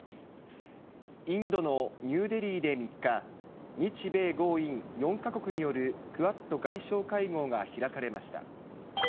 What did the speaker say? インドのニューデリーで３日、日米豪印４か国によるクアッド外相会合が開かれました。